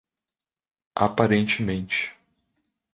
Aparentemente